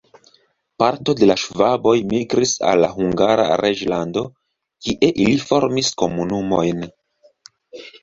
Parto de la ŝvaboj migris al la Hungara reĝlando, kie ili formis komunumojn.